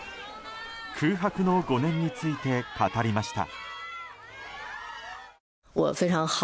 空白の５年について語りました。